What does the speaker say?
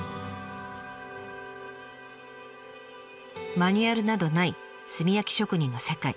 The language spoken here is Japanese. マニュアルなどない炭焼き職人の世界。